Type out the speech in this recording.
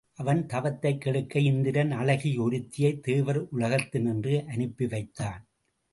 அவன் தவத்தைக் கெடுக்க இந்திரன் அழகி ஒருத்தியை தேவர் உலகத்தினின்று அனுப்பி வைத்தான்.